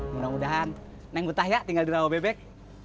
mudah mudahan neng betah ya tinggal di rawabebek